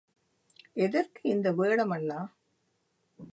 எதற்கு இந்த வேடம் அண்ணா?